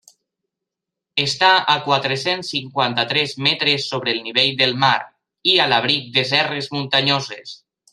Està a quatre-cents cinquanta-tres metres sobre el nivell del mar i a l'abric de serres muntanyoses.